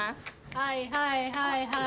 はいはいはいはい